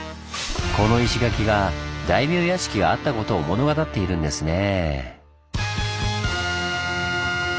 この石垣が大名屋敷があったことを物語っているんですね。